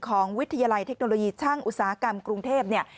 วิทยาลัยเทคโนโลยีช่างอุตสาหกรรมกรุงเทพเนี่ย